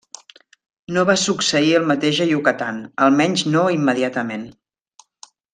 No va succeir el mateix a Yucatán, almenys no immediatament.